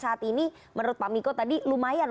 saat ini menurut pak miko tadi lumayan